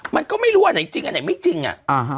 มันก็ไม่รู้อันไหนจริงอันไหนไม่จริงอ่ะอ่าฮะ